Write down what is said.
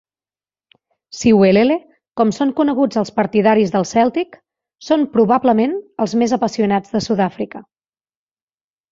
"Siwelele", com són coneguts els partidaris del Celtic, són probablement els més apassionats de Sud-àfrica.